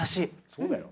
そうだよ。